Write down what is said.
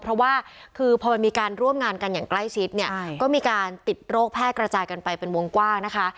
เพราะว่าคือพอมันมีการร่วมงานกันอย่างใกล้ชิดเนี่ยก็มีการติดโรคแพร่กระจายกันไปเป็นวงกว้างนะคะ